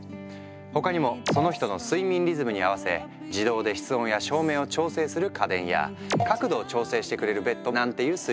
他にもその人の睡眠リズムに合わせ自動で室温や照明を調整する家電や角度を調整してくれるベッドなんていうスリープテックも。